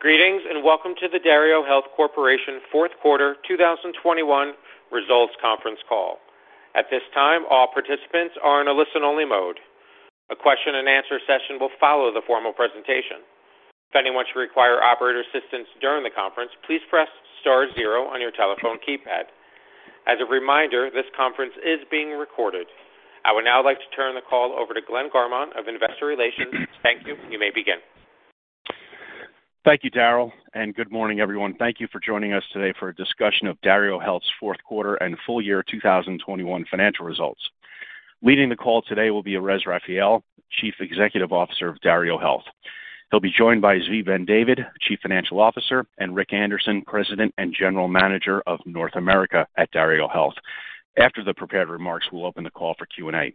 Greetings, and welcome to the DarioHealth Corp. fourth quarter 2021 results conference call. At this time, all participants are in a listen-only mode. A question and answer session will follow the formal presentation. If anyone should require operator assistance during the conference, please press star zero on your telephone keypad. As a reminder, this conference is being recorded. I would now like to turn the call over to Glenn Garmont of Investor Relations. Thank you. You may begin. Thank you, Derol, and good morning, everyone. Thank you for joining us today for a discussion of DarioHealth's fourth quarter and full year 2021 financial results. Leading the call today will be Erez Raphael, Chief Executive Officer of DarioHealth. He'll be joined by Zvi Ben-David, Chief Financial Officer, and Richard Anderson, President and General Manager of North America at DarioHealth. After the prepared remarks, we'll open the call for Q&A.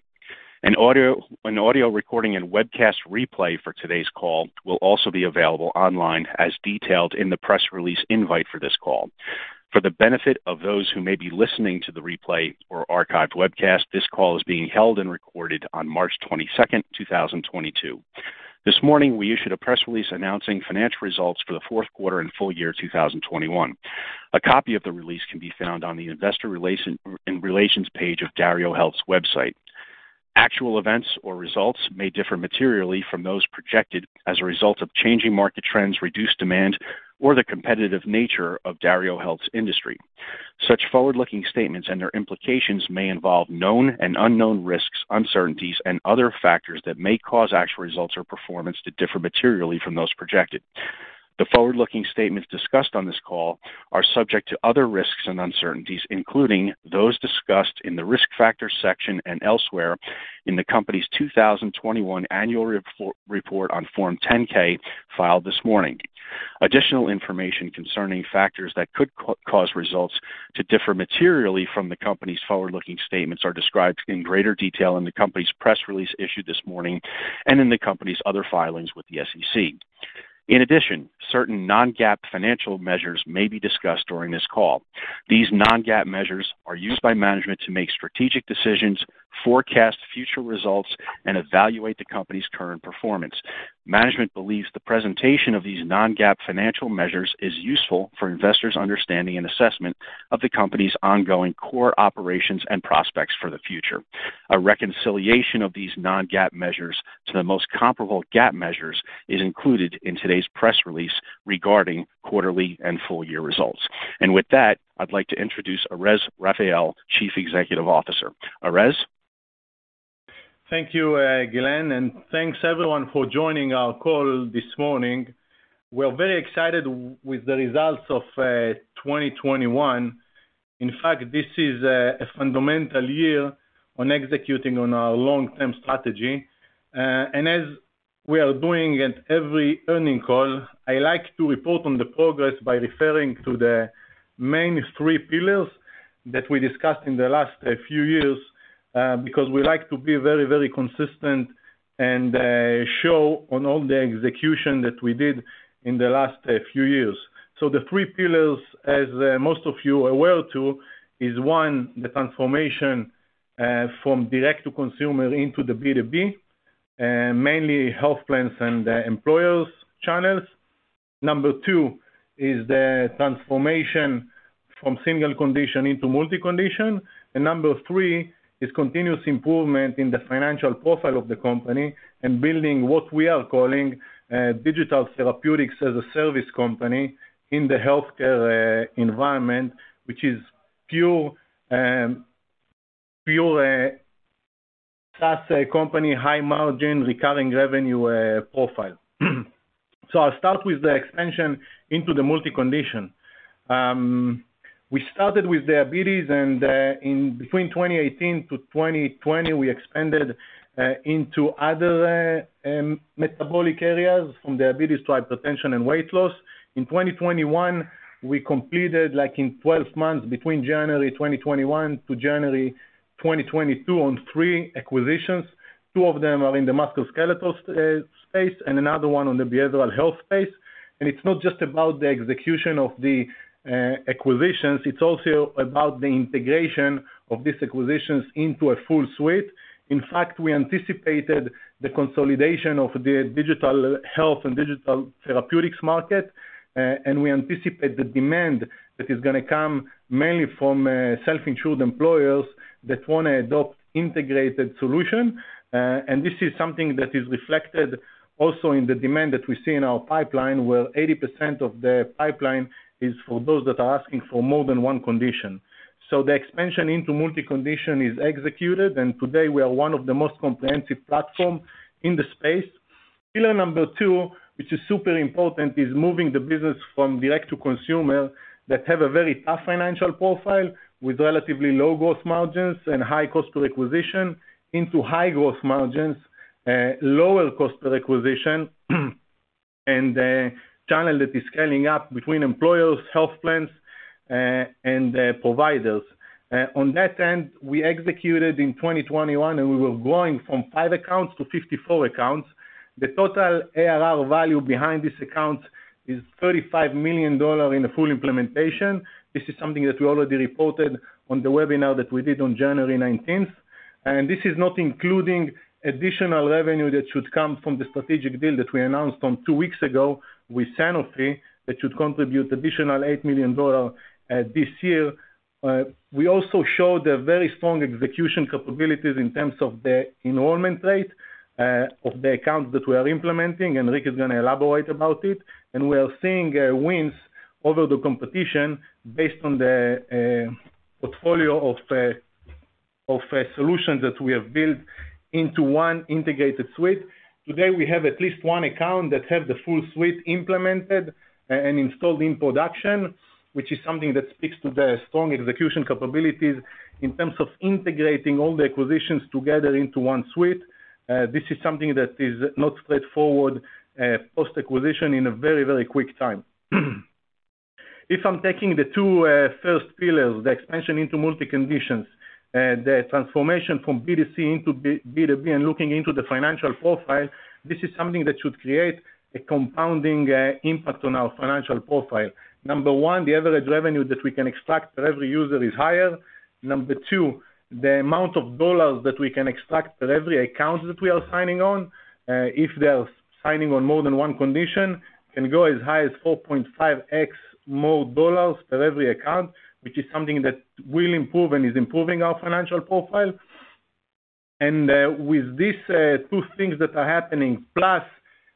An audio recording and webcast replay for today's call will also be available online as detailed in the press release invite for this call. For the benefit of those who may be listening to the replay or archived webcast, this call is being held and recorded on March 22nd, 2022. This morning, we issued a press release announcing financial results for the fourth quarter and full year 2021. A copy of the release can be found on the investor relations page of DarioHealth's website. Actual events or results may differ materially from those projected as a result of changing market trends, reduced demand, or the competitive nature of DarioHealth's industry. Such forward-looking statements and their implications may involve known and unknown risks, uncertainties, and other factors that may cause actual results or performance to differ materially from those projected. The forward-looking statements discussed on this call are subject to other risks and uncertainties, including those discussed in the Risk Factors section and elsewhere in the company's 2021 annual report on Form 10-K filed this morning. Additional information concerning factors that could cause results to differ materially from the company's forward-looking statements are described in greater detail in the company's press release issued this morning and in the company's other filings with the SEC. In addition, certain non-GAAP financial measures may be discussed during this call. These non-GAAP measures are used by management to make strategic decisions, forecast future results, and evaluate the company's current performance. Management believes the presentation of these non-GAAP financial measures is useful for investors' understanding and assessment of the company's ongoing core operations and prospects for the future. A reconciliation of these non-GAAP measures to the most comparable GAAP measures is included in today's press release regarding quarterly and full-year results. With that, I'd like to introduce Erez Raphael, Chief Executive Officer. Erez? Thank you, Glenn, and thanks everyone for joining our call this morning. We're very excited with the results of 2021. In fact, this is a fundamental year on executing on our long-term strategy. As we are doing at every earnings call, I like to report on the progress by referring to the main three pillars that we discussed in the last few years, because we like to be very consistent and show all the execution that we did in the last few years. The three pillars, as most of you are aware too, is one, the transformation from direct to consumer into the B2B, mainly health plans and the employers channels. Number two is the transformation from single condition into multi-condition. Number three is continuous improvement in the financial profile of the company and building what we are calling digital therapeutics as a service company in the healthcare environment, which is pure SaaS company, high margin, recurring revenue profile. I'll start with the expansion into the multi-condition. We started with diabetes and in between 2018 to 2020, we expanded into other metabolic areas from diabetes to hypertension and weight loss. In 2021, we completed, like in 12 months between January 2021 to January 2022 on three acquisitions. Two of them are in the musculoskeletal space and another one on the behavioral health space. It's not just about the execution of the acquisitions, it's also about the integration of these acquisitions into a full suite. In fact, we anticipated the consolidation of the digital health and digital therapeutics market, and we anticipate the demand that is gonna come mainly from self-insured employers that wanna adopt integrated solution. This is something that is reflected also in the demand that we see in our pipeline, where 80% of the pipeline is for those that are asking for more than one condition. The expansion into multi-condition is executed, and today we are one of the most comprehensive platform in the space. Pillar number two, which is super important, is moving the business from direct to consumer that have a very tough financial profile with relatively low gross margins and high cost per acquisition into high gross margins, lower cost per acquisition, and a channel that is scaling up between employers, health plans, and providers. On that end, we executed in 2021, and we were growing from five accounts to 54 accounts. The total ARR value behind this account is $35 million in the full implementation. This is something that we already reported on the webinar that we did on January 19th. This is not including additional revenue that should come from the strategic deal that we announced two weeks ago with Sanofi, that should contribute additional $8 million this year. We also showed a very strong execution capabilities in terms of the enrollment rate of the accounts that we are implementing, and Ric is gonna elaborate about it. We are seeing wins over the competition based on the portfolio of solutions that we have built into one integrated suite. Today, we have at least one account that have the full suite implemented and installed in production, which is something that speaks to the strong execution capabilities in terms of integrating all the acquisitions together into one suite. This is something that is not straightforward, post-acquisition in a very quick time. If I'm taking the two first pillars, the expansion into multi conditions, the transformation from B2C into B2B and looking into the financial profile, this is something that should create a compounding impact on our financial profile. Number one, the average revenue that we can extract per every user is higher. Number two, the amount of dollars that we can extract per every account that we are signing on, if they are signing on more than one condition, can go as high as 4.5x more dollars per every account, which is something that will improve and is improving our financial profile. With these two things that are happening, plus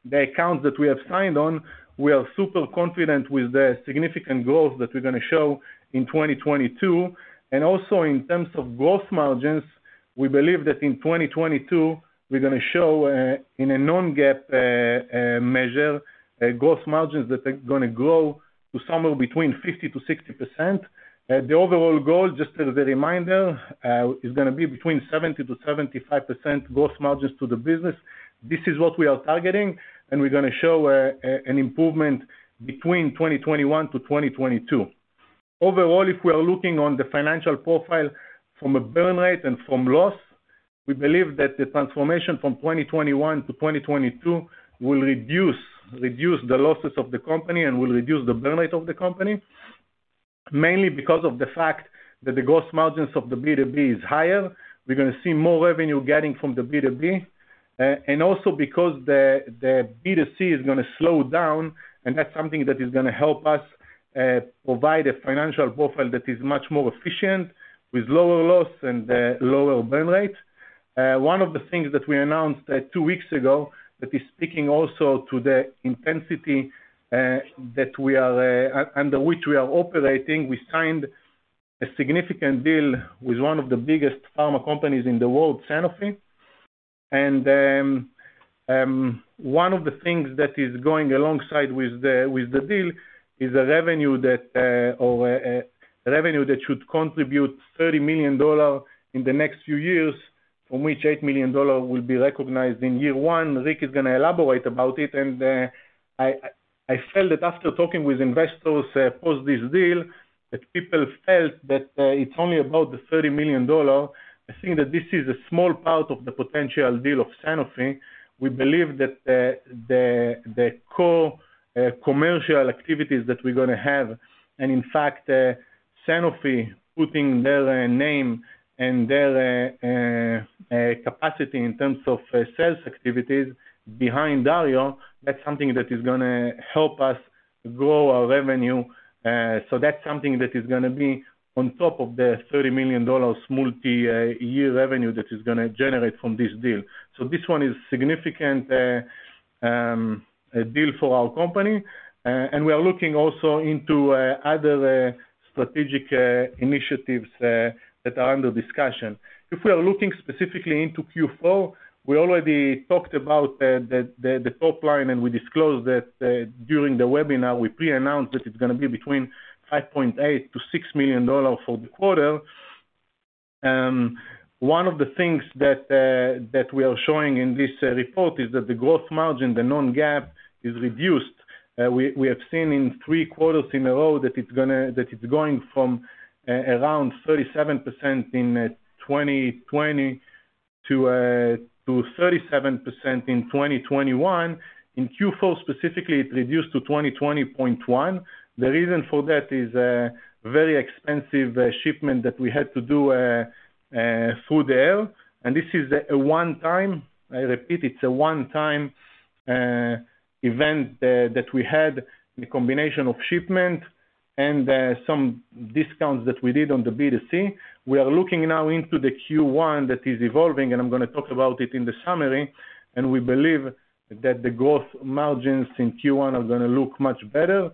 the accounts that we have signed on, we are super confident with the significant growth that we're gonna show in 2022. Also in terms of growth margins, we believe that in 2022, we're gonna show, in a non-GAAP measure, growth margins that are gonna grow to somewhere between 50%-60%. The overall goal, just as a reminder, is gonna be between 70%-75% growth margins to the business. This is what we are targeting, and we're gonna show an improvement between 2021 to 2022. Overall, if we are looking on the financial profile from a burn rate and from loss, we believe that the transformation from 2021 to 2022 will reduce the losses of the company and will reduce the burn rate of the company, mainly because of the fact that the gross margins of the B2B is higher. We're gonna see more revenue getting from the B2B, and also because the B2C is gonna slow down, and that's something that is gonna help us provide a financial profile that is much more efficient, with lower loss and lower burn rate. One of the things that we announced two weeks ago that is speaking also to the intensity that we are under which we are operating, we signed a significant deal with one of the biggest pharma companies in the world, Sanofi. One of the things that is going alongside with the deal is a revenue that should contribute $30 million in the next few years, from which $8 million will be recognized in year one. Ric is gonna elaborate about it. I felt that after talking with investors post this deal, that people felt that it's only about the $30 million. I think that this is a small part of the potential deal of Sanofi. We believe that the core commercial activities that we're gonna have, and in fact, Sanofi putting their name and their capacity in terms of sales activities behind Dario, that's something that is gonna help us grow our revenue. That's something that is gonna be on top of the $30 million multi-year revenue that is gonna generate from this deal. This one is significant deal for our company. We are looking also into other strategic initiatives that are under discussion. If we are looking specifically into Q4, we already talked about the top line, and we disclosed that during the webinar, we pre-announced that it's gonna be between $5.8 million-$6 million for the quarter. One of the things that we are showing in this report is that the gross margin, the non-GAAP, is reduced. We have seen in three quarters in a row that it's going from around 37% in 2020 to 37% in 2021. In Q4 specifically, it reduced to 20.1%. The reason for that is a very expensive shipment that we had to do through the air. This is a one-time event that we had, the combination of shipment and some discounts that we did on the B2C. We are looking now into the Q1 that is evolving, and I'm gonna talk about it in the summary, and we believe that the gross margins in Q1 are gonna look much better.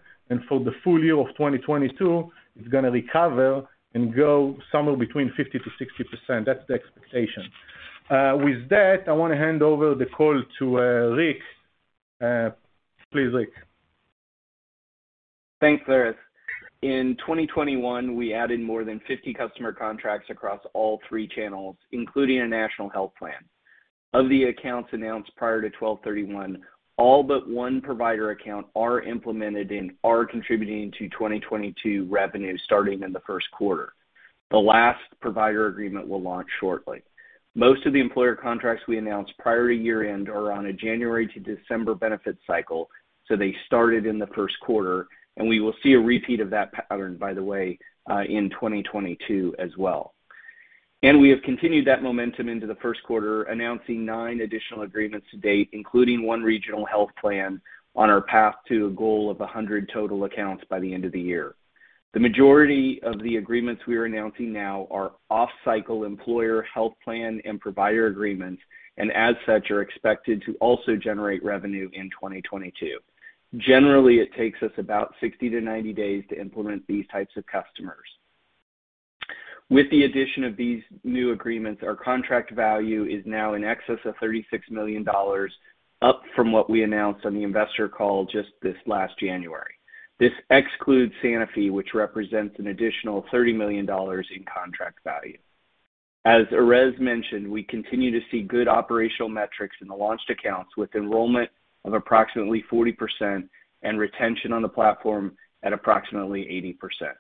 For the full year of 2022, it's gonna recover and grow somewhere between 50%-60%. That's the expectation. With that, I wanna hand over the call to Ric. Please, Ric. Thanks, Erez. In 2021, we added more than 50 customer contracts across all three channels, including a national health plan. Of the accounts announced prior to 12/31, all but one provider account are implemented and are contributing to 2022 revenue starting in the first quarter. The last provider agreement will launch shortly. Most of the employer contracts we announced prior to year-end are on a January to December benefit cycle, so they started in the first quarter, and we will see a repeat of that pattern, by the way, in 2022 as well. We have continued that momentum into the first quarter, announcing nine additional agreements to-date, including one regional health plan on our path to a goal of 100 total accounts by the end of the year. The majority of the agreements we are announcing now are off-cycle employer health plan and provider agreements, and as such, are expected to also generate revenue in 2022. Generally, it takes us about 60-90 days to implement these types of customers. With the addition of these new agreements, our contract value is now in excess of $36 million, up from what we announced on the investor call just this last January. This excludes Sanofi, which represents an additional $30 million in contract value. As Erez mentioned, we continue to see good operational metrics in the launched accounts, with enrollment of approximately 40% and retention on the platform at approximately 80%.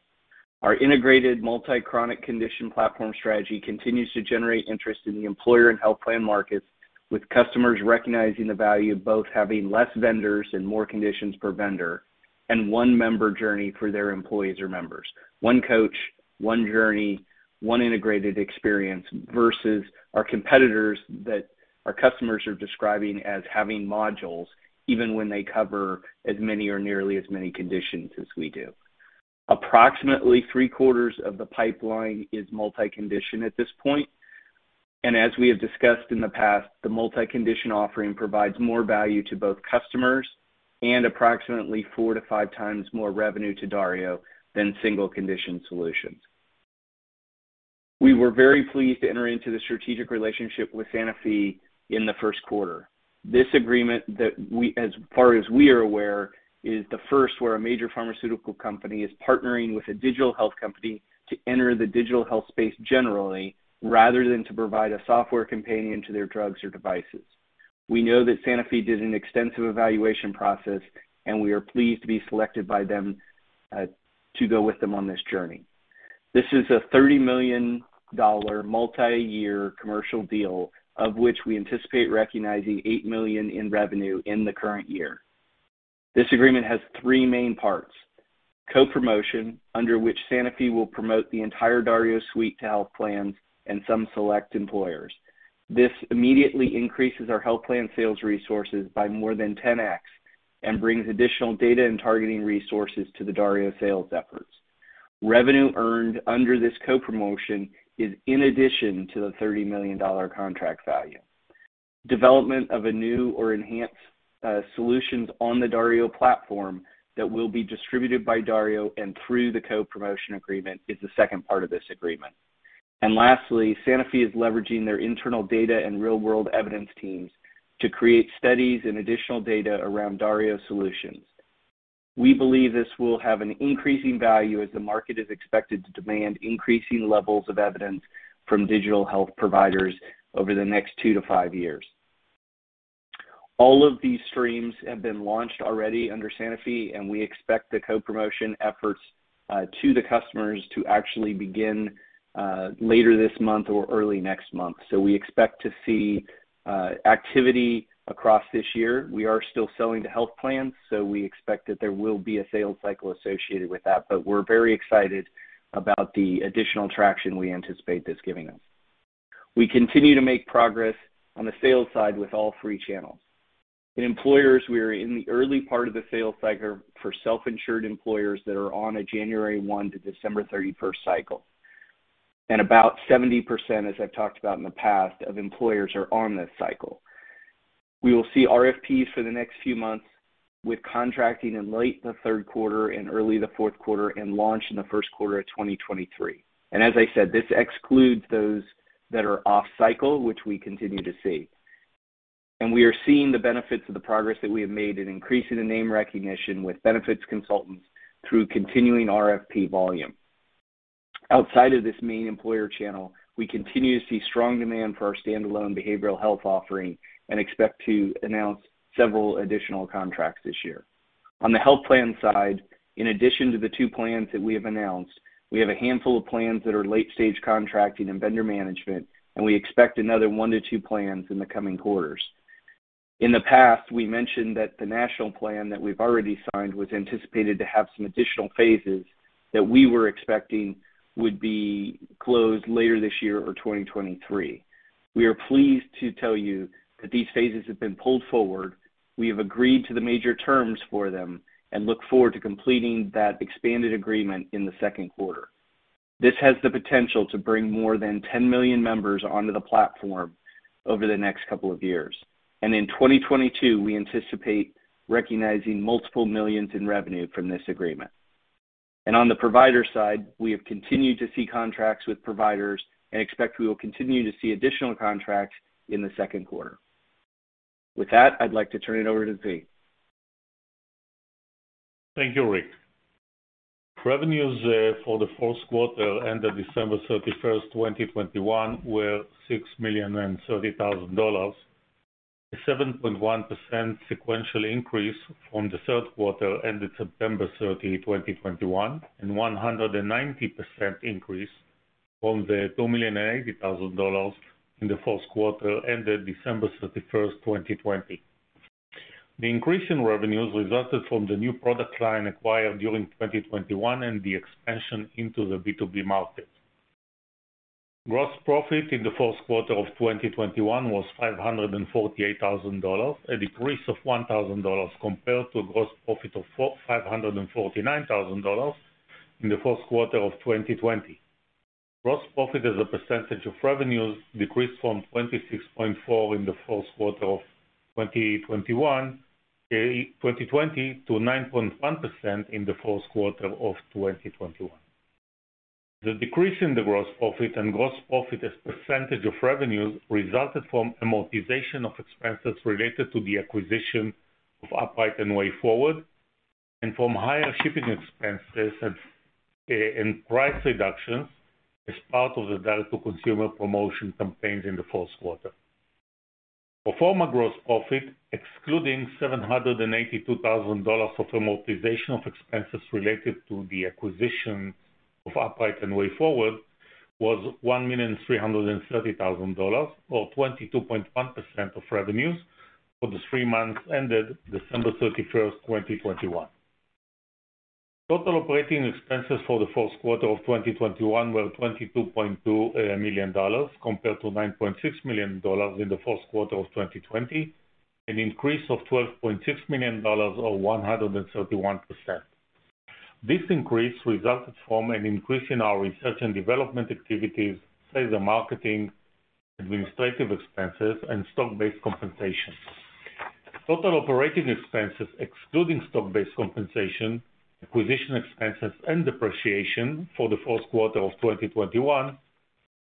Our integrated multi-chronic condition platform strategy continues to generate interest in the employer and health plan markets, with customers recognizing the value of both having less vendors and more conditions per vendor, and one member journey for their employees or members. One coach, one journey, one integrated experience versus our competitors that our customers are describing as having modules even when they cover as many or nearly as many conditions as we do. Approximately three-quarters of the pipeline is multi-condition at this point. As we have discussed in the past, the multi-condition offering provides more value to both customers and approximately 4x-5x more revenue to Dario than single-condition solutions. We were very pleased to enter into the strategic relationship with Sanofi in the first quarter. This agreement, as far as we are aware, is the first where a major pharmaceutical company is partnering with a digital health company to enter the digital health space generally, rather than to provide a software companion to their drugs or devices. We know that Sanofi did an extensive evaluation process, and we are pleased to be selected by them to go with them on this journey. This is a $30 million multi-year commercial deal, of which we anticipate recognizing $8 million in revenue in the current year. This agreement has three main parts. Co-promotion, under which Sanofi will promote the entire Dario suite to health plans and some select employers. This immediately increases our health plan sales resources by more than 10x, and brings additional data and targeting resources to the Dario sales efforts. Revenue earned under this co-promotion is in addition to the $30 million contract value. Development of a new or enhanced solutions on the Dario platform that will be distributed by Dario and through the co-promotion agreement is the second part of this agreement. Lastly, Sanofi is leveraging their internal data and real-world evidence teams to create studies and additional data around Dario solutions. We believe this will have an increasing value as the market is expected to demand increasing levels of evidence from digital health providers over the next 2-5 years. All of these streams have been launched already under Sanofi, and we expect the co-promotion efforts to the customers to actually begin later this month or early next month. We expect to see activity across this year. We are still selling to health plans, so we expect that there will be a sales cycle associated with that, but we're very excited about the additional traction we anticipate this giving us. We continue to make progress on the sales side with all three channels. In employers, we are in the early part of the sales cycle for self-insured employers that are on a January 1 to December 31st cycle. About 70%, as I've talked about in the past, of employers are on this cycle. We will see RFPs for the next few months, with contracting in late in the third quarter and early in the fourth quarter, and launch in the first quarter of 2023. As I said, this excludes those that are off cycle, which we continue to see. We are seeing the benefits of the progress that we have made in increasing the name recognition with benefits consultants through continuing RFP volume. Outside of this main employer channel, we continue to see strong demand for our standalone behavioral health offering and expect to announce several additional contracts this year. On the health plan side, in addition to the two plans that we have announced, we have a handful of plans that are late-stage contracting and vendor management, and we expect another one to two plans in the coming quarters. In the past, we mentioned that the national plan that we've already signed was anticipated to have some additional phases that we were expecting would be closed later this year or 2023. We are pleased to tell you that these phases have been pulled forward. We have agreed to the major terms for them and look forward to completing that expanded agreement in the second quarter. This has the potential to bring more than 10 million members onto the platform over the next couple of years. In 2022, we anticipate recognizing multiple millions in revenue from this agreement. On the provider side, we have continued to see contracts with providers and expect we will continue to see additional contracts in the second quarter. With that, I'd like to turn it over to Zvi. Thank you, Ric. Revenues for the fourth quarter ended December 31st, 2021, were $6.03 million, a 7.1% sequential increase from the third quarter ended September 30th, 2021, and 190% increase from the $2.08 million in the fourth quarter ended December 31st, 2020. The increase in revenues resulted from the new product line acquired during 2021 and the expansion into the B2B market. Gross profit in the first quarter of 2021 was $548,000, a decrease of $1,000 compared to a gross profit of $549,000 in the first quarter of 2020. Gross profit as a percentage of revenues decreased from 26.4% in the first quarter of 2021, 2020 to 9.1% in the first quarter of 2021. The decrease in the gross profit and gross profit as a percentage of revenues resulted from amortization of expenses related to the acquisition of Upright and wayForward, and from higher shipping expenses and price reductions as part of the direct-to-consumer promotion campaigns in the first quarter. Pro forma gross profit, excluding $782,000 of amortization of expenses related to the acquisition of Upright and wayForward, was $1,330,000, or 22.1% of revenues for the three months ended December 31st, 2021. Total operating expenses for the first quarter of 2021 were $22.2 million compared to $9.6 million in the first quarter of 2020, an increase of $12.6 million or 131%. This increase resulted from an increase in our research and development activities, sales and marketing, administrative expenses, and stock-based compensation. Total operating expenses excluding stock-based compensation, acquisition expenses, and depreciation for the first quarter of 2021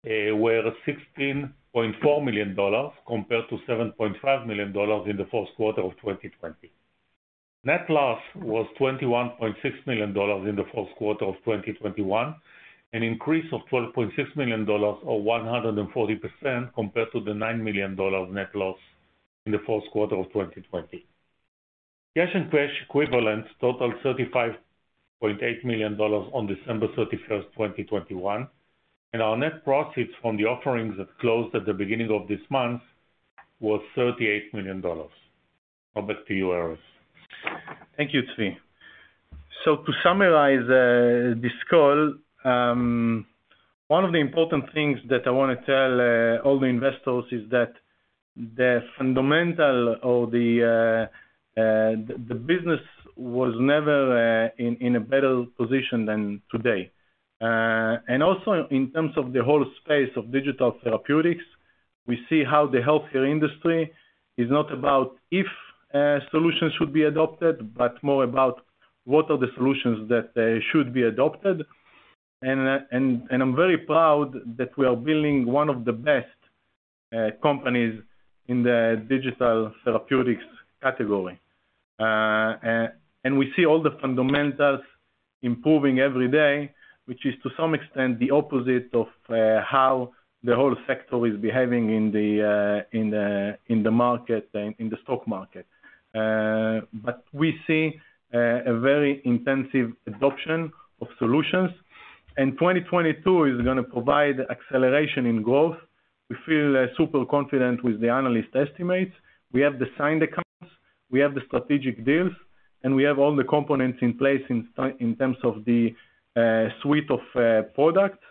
were $16.4 million compared to $7.5 million in the first quarter of 2020. Net loss was $21.6 million in the first quarter of 2021, an increase of $12.6 million or 140% compared to the $9 million net loss in the first quarter of 2020. Cash-and-cash equivalents totaled $35.8 million on December 31st, 2021, and our net proceeds from the offerings that closed at the beginning of this month was $38 million. Now back to you, Erez. Thank you, Zvi. To summarize this call, one of the important things that I wanna tell all the investors is that the fundamentals of the business was never in a better position than today. Also in terms of the whole space of digital therapeutics, we see how the healthcare industry is not about if solutions should be adopted, but more about what are the solutions that should be adopted. I'm very proud that we are building one of the best companies in the digital therapeutics category. And we see all the fundamentals improving every day, which is to some extent the opposite of how the whole sector is behaving in the market and in the stock market. We see a very intensive adoption of solutions, and 2022 is gonna provide acceleration in growth. We feel super confident with the analyst estimates. We have the signed accounts, we have the strategic deals, and we have all the components in place in terms of the suite of products.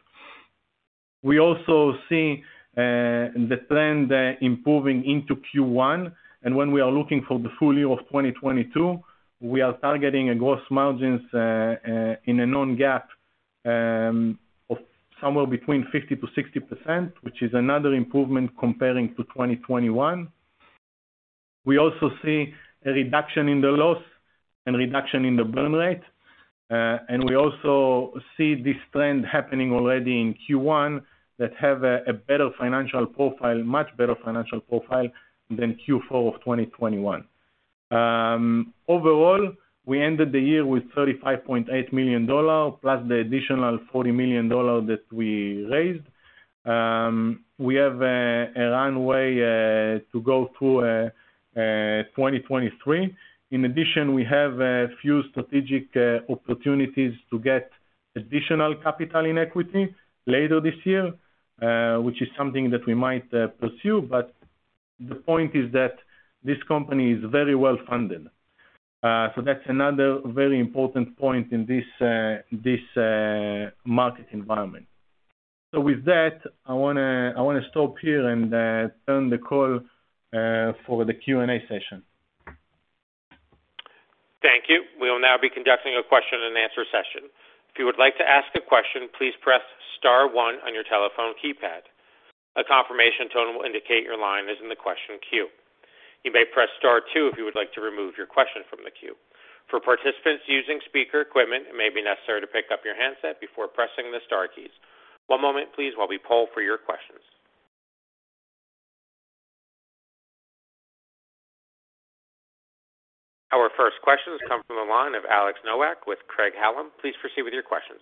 We also see the trend improving into Q1. When we are looking for the full year of 2022, we are targeting a gross margins in a non-GAAP of somewhere between 50%-60%, which is another improvement comparing to 2021. We also see a reduction in the loss and reduction in the burn rate, and we also see this trend happening already in Q1 that have a better financial profile, much better financial profile than Q4 of 2021. Overall, we ended the year with $35.8 million plus the additional $40 million that we raised. We have a runway to go through 2023. In addition, we have a few strategic opportunities to get additional capital in equity later this year, which is something that we might pursue. The point is that this company is very well-funded. That's another very important point in this market environment. With that, I wanna stop here and turn the call for the Q&A session. Thank you. We will now be conducting a question and answer session. If you would like to ask a question, please press star one on your telephone keypad. A confirmation tone will indicate your line is in the question queue. You may press star two if you would like to remove your question from the queue. For participants using speaker equipment, it may be necessary to pick up your handset before pressing the star keys. One moment please, while we poll for your questions. Our first question has come from the line of Alex Nowak with Craig-Hallum. Please proceed with your questions.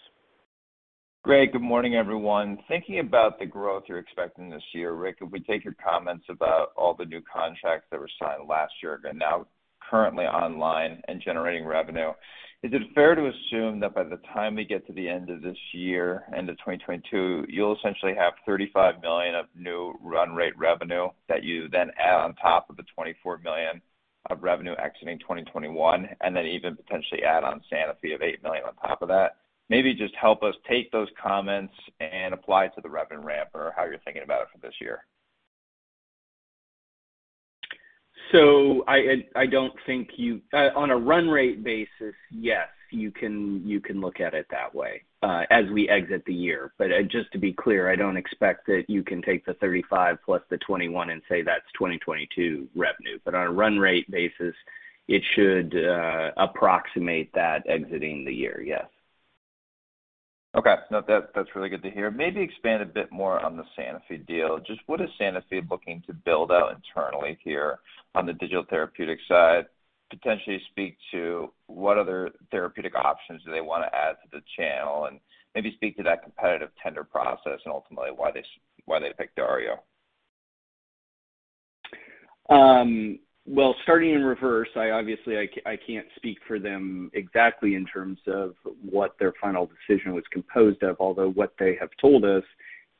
Great. Good morning, everyone. Thinking about the growth you're expecting this year, Ric, if we take your comments about all the new contracts that were signed last year and now currently online and generating revenue, is it fair to assume that by the time we get to the end of this year, end of 2022, you'll essentially have $35 million of new run rate revenue that you then add on top of the $24 million of revenue exiting 2021, and then even potentially add on Sanofi of $8 million on top of that. Maybe just help us take those comments and apply to the revenue ramp or how you're thinking about it for this year. I don't think you on a run rate basis, yes, you can look at it that way, as we exit the year. Just to be clear, I don't expect that you can take the $35 + the $21 and say that's 2022 revenue. On a run rate basis, it should approximate that exiting the year. Yes. Okay. No, that's really good to hear. Maybe expand a bit more on the Sanofi deal. Just what is Sanofi looking to build out internally here on the digital therapeutics side? Potentially speak to what other therapeutic options do they wanna add to the channel, and maybe speak to that competitive tender process and ultimately why they picked Dario. Well, starting in reverse, I can't speak for them exactly in terms of what their final decision was composed of. Although what they have told us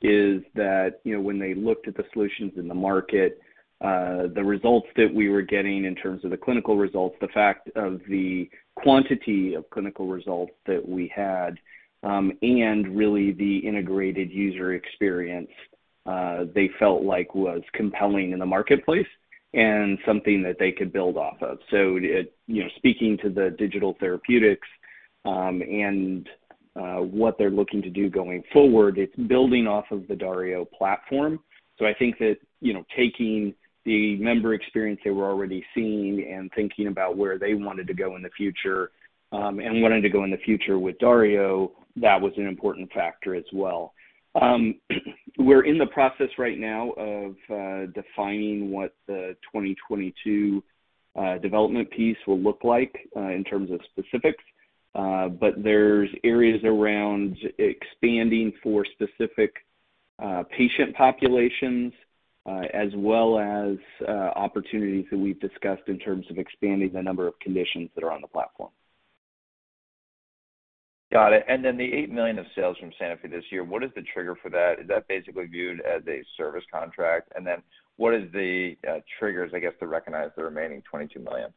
is that, you know, when they looked at the solutions in the market, the results that we were getting in terms of the clinical results, the fact of the quantity of clinical results that we had, and really the integrated user experience, they felt like was compelling in the marketplace and something that they could build off of. You know, speaking to the digital therapeutics, and what they're looking to do going forward, it's building off of the Dario platform. I think that, you know, taking the member experience they were already seeing and thinking about where they wanted to go in the future, and wanting to go in the future with Dario, that was an important factor as well. We're in the process right now of defining what the 2022 development piece will look like in terms of specifics. There's areas around expanding for specific patient populations, as well as opportunities that we've discussed in terms of expanding the number of conditions that are on the platform. Got it. The $8 million of sales from Sanofi this year, what is the trigger for that? Is that basically viewed as a service contract? What is the triggers, I guess, to recognize the remaining $22 million?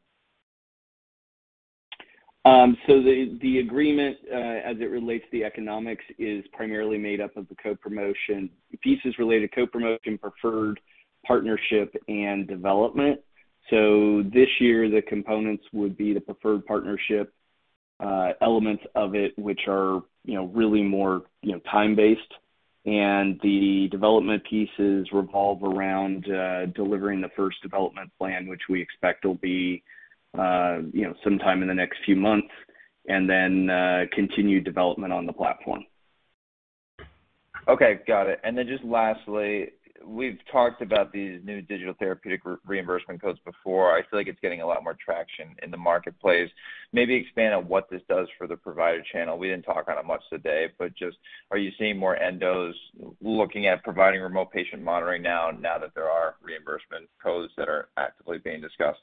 The agreement as it relates to the economics is primarily made up of the co-promotion pieces related to co-promotion, preferred partnership, and development. This year, the components would be the preferred partnership elements of it, which are, you know, really more, you know, time-based. The development pieces revolve around delivering the first development plan, which we expect will be, you know, sometime in the next few months, and then continued development on the platform. Okay. Got it. Then just lastly, we've talked about these new digital therapeutic reimbursement codes before. I feel like it's getting a lot more traction in the marketplace. Maybe expand on what this does for the provider channel. We didn't talk on it much today, but just are you seeing more endos looking at providing remote patient monitoring now that there are reimbursement codes that are actively being discussed?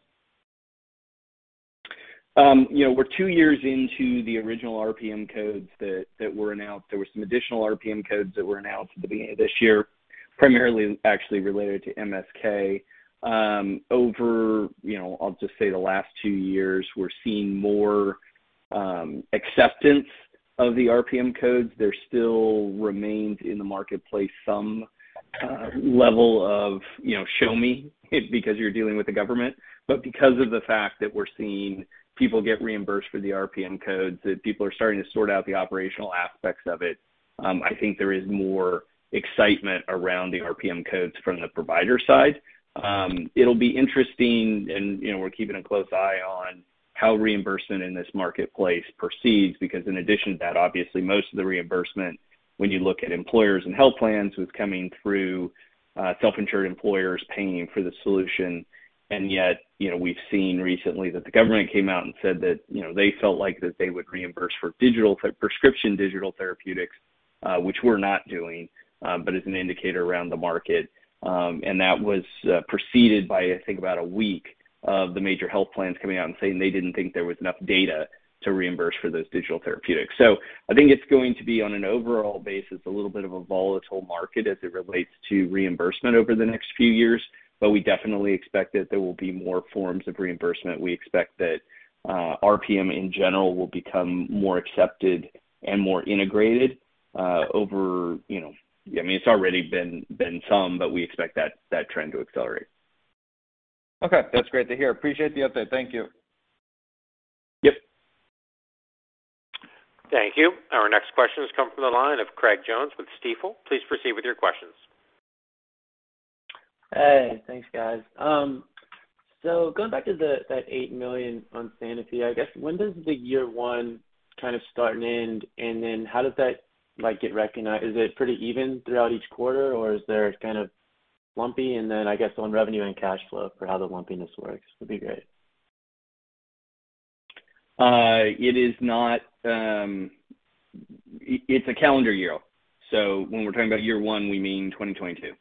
You know, we're two years into the original RPM codes that were announced. There were some additional RPM codes that were announced at the beginning of this year, primarily actually related to MSK. Over, you know, I'll just say the last two years, we're seeing more acceptance of the RPM codes. There still remains in the marketplace some level of, you know, show me because you're dealing with the government but because of the fact that we're seeing people get reimbursed for the RPM codes, that people are starting to sort out the operational aspects of it, I think there is more excitement around the RPM codes from the provider side. It'll be interesting and, you know, we're keeping a close eye on how reimbursement in this marketplace proceeds. Because in addition to that, obviously most of the reimbursement when you look at employers and health plans was coming through, self-insured employers paying for the solution. Yet, you know, we've seen recently that the government came out and said that, you know, they felt like that they would reimburse for prescription digital therapeutics, which we're not doing, but as an indicator around the market. That was preceded by I think about a week of the major health plans coming out and saying they didn't think there was enough data to reimburse for those digital therapeutics. I think it's going to be on an overall basis, a little bit of a volatile market as it relates to reimbursement over the next few years, but we definitely expect that there will be more forms of reimbursement. We expect that RPM in general will become more accepted and more integrated over, you know. I mean, it's already been some, but we expect that trend to accelerate. Okay. That's great to hear. Appreciate the update. Thank you. Yep. Thank you. Our next question has come from the line of David Grossman with Stifel. Please proceed with your questions. Hey. Thanks, guys. Going back to that $8 million on Sanofi, I guess when does the year one kind of start and end? How does that, like, get recognized? Is it pretty even throughout each quarter, or is there kind of lumpy? I guess on revenue and cash flow for how the lumpiness works would be great. It's a calendar year, so when we're talking about year one, we mean 2022.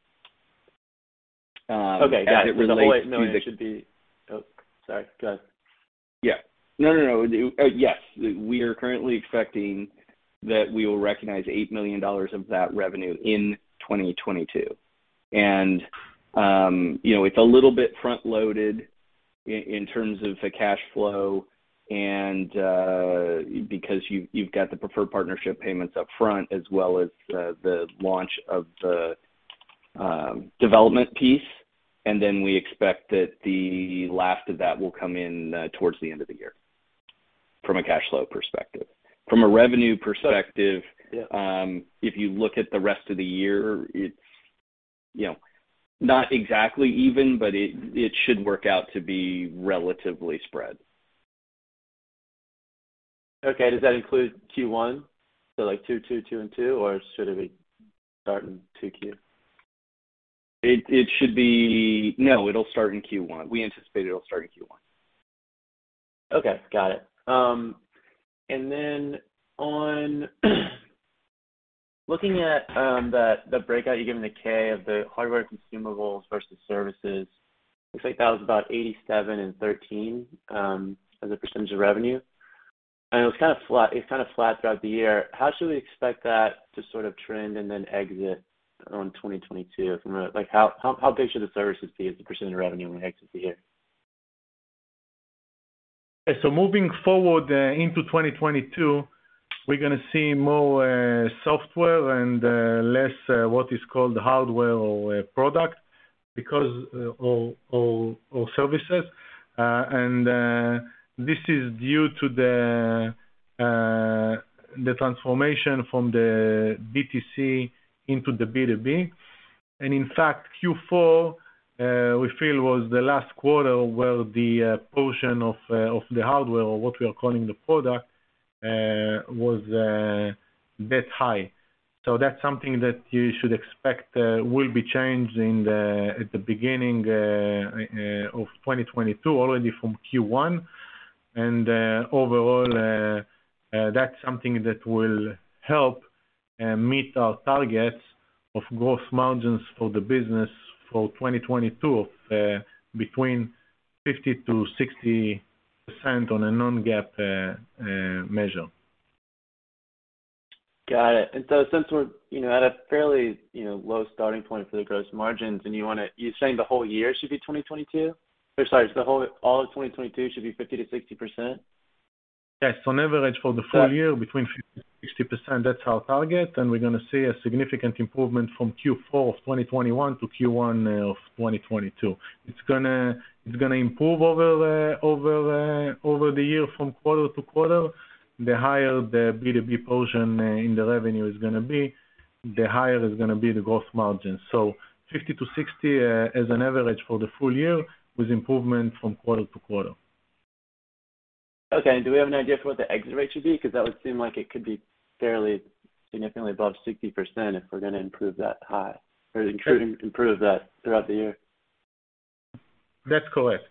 As it relates to the- Okay. Got it. Oh, sorry. Go ahead. Yeah. No, no. Yes, we are currently expecting that we will recognize $8 million of that revenue in 2022. You know, it's a little bit front-loaded in terms of the cash flow and, because you've got the preferred partnership payments up front, as well as the launch of the development piece. Then we expect that the last of that will come in towards the end of the year from a cash flow perspective. From a revenue perspective. Yeah. If you look at the rest of the year, it's, you know, not exactly even, but it should work out to be relatively spread. Okay. Does that include Q1? Like Q2, Q2 and Q2, or should it be starting 2Q? It'll start in Q1. We anticipate it'll start in Q1. Okay. Got it. On looking at the breakout you gave in the 10-K of the hardware consumables versus services, looks like that was about 87% and 13% of revenue. It was kind of flat throughout the year. How should we expect that to sort of trend and then exit 2022 from a, like, how big should the services be as a percentage of revenue when we exit the year? Moving forward into 2022, we're gonna see more software and less what is called hardware or product or services. This is due to the transformation from the DTC into the B2B. In fact, Q4 we feel was the last quarter where the portion of the hardware or what we are calling the product was that high. That's something that you should expect will be changing at the beginning of 2022, already from Q1. Overall, that's something that will help meet our targets of gross margins for the business for 2022 of between 50%-60% on a non-GAAP measure. Got it. Since we're, you know, at a fairly, you know, low starting point for the gross margins and you're saying the whole year should be 2022? Sorry, all of 2022 should be 50%-60%? Yes. On average for the full year, between 50% and 60%, that's our target. We're gonna see a significant improvement from Q4 of 2021 to Q1 of 2022. It's gonna improve over the year from quarter-to-quarter. The higher the B2B portion in the revenue is gonna be, the higher is gonna be the gross margin. 50% to 60% as an average for the full year with improvement from quarter-to-quarter. Okay. Do we have an idea for what the exit rate should be? Because that would seem like it could be fairly significantly above 60% if we're gonna improve that high or improve that throughout the year. That's correct.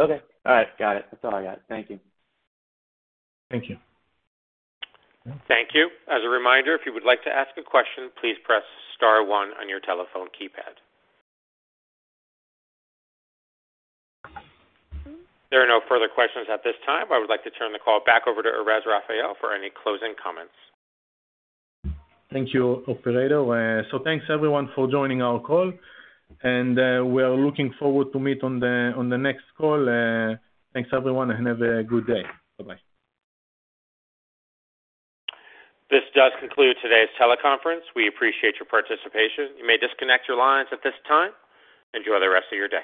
Okay. All right. Got it. That's all I got. Thank you. Thank you. Thank you. As a reminder, if you would like to ask a question, please press star one on your telephone keypad. There are no further questions at this time. I would like to turn the call back over to Erez Raphael for any closing comments. Thank you, operator. Thanks everyone for joining our call, and we are looking forward to meet on the next call. Thanks everyone, and have a good day. Bye-bye. This does conclude today's teleconference. We appreciate your participation. You may disconnect your lines at this time. Enjoy the rest of your day.